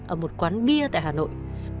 ở một quán bia tại hà nội